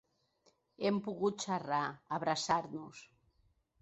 Hem pogut xerrar, abraçar-nos.